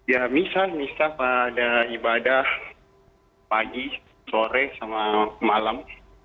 ya misal misal ada ibadah pagi sore sama malam